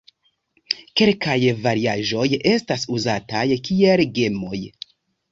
Kelkaj variaĵoj estas uzataj kiel gemoj.